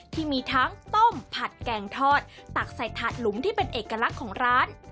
ที่มีทั้งต้มผัดแกงทอดตักใส่ถาดหลุมที่เป็นเอกลักษณ์ของร้าน